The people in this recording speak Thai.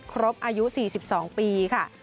ครบอายุ๔๒ปีค่ะ